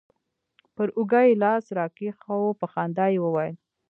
پر اوږه يې لاس راكښېښوو په خندا يې وويل.